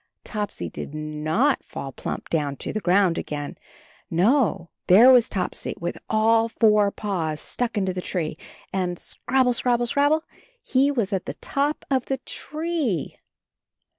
Topsy did not fall plump down to the gound again. No, there was Topsy with all four paws stuck into the tree, and — scrabble, scrabble, scrabble, he was at the top of the tree!